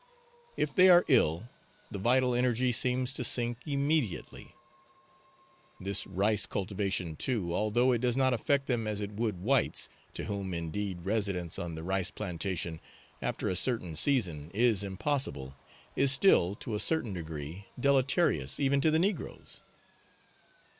If they are ill, the vital energy seems to sink immediately. This rice cultivation, too, although it does not affect them as it would whites to whom, indeed, residence on the rice plantation after a certain season is impossible is still, to a certain degree, deleterious even to the negroes.